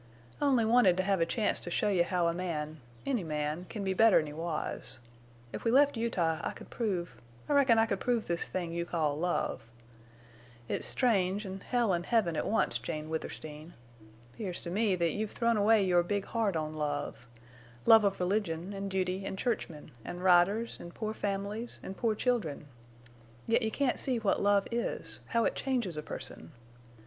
I only wanted to have a chance to show you how a man—any man—can be better 'n he was. If we left Utah I could prove—I reckon I could prove this thing you call love. It's strange, an' hell an' heaven at once, Jane Withersteen. 'Pears to me that you've thrown away your big heart on love—love of religion an' duty an' churchmen, an' riders an' poor families an' poor children! Yet you can't see what love is—how it changes a person!...